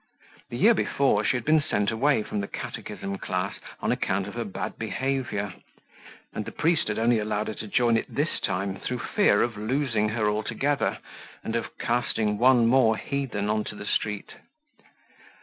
The year before she had been sent away from the catechism class on account of her bad behavior; and the priest had only allowed her to join it this time through fear of losing her altogether, and of casting one more heathen onto the street.